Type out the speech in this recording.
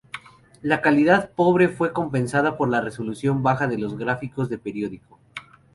La calidad pobre fue compensada por la resolución baja de los gráficos de periódico.